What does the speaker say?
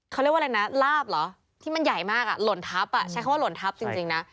เขาเรียกว่าอะไรนะลาบเหรอที่มันใหญ่มากหล่นทับใช้คำว่าหล่นทับจริงนะ